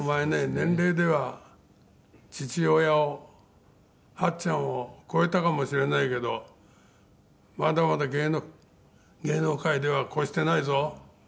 年齢では父親をはっちゃんを超えたかもしれないけどまだまだ芸能界では超していないぞ」